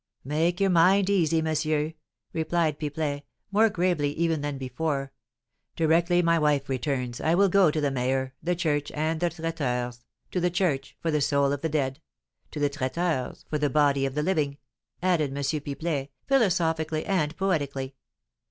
"Make your mind easy, monsieur," replied Pipelet, more gravely even than before; "directly my wife returns, I will go to the mayor, the church, and the traiteur's: to the church, for the soul of the dead; to the traiteur's, for the body of the living," added M. Pipelet, philosophically and poetically.